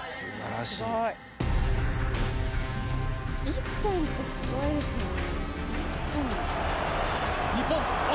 １分ってすごいですよね。